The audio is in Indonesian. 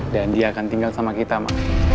dan dia akan tinggal sama kita ma